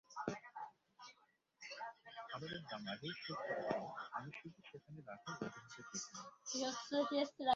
খাবারের দাম আগেই শোধ করা ছিল, আমি শুধু সেখানে রাখার অজুহাতে গিয়েছিলাম।